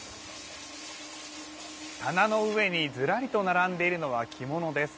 棚の上にずらりと並んでいるのは着物です。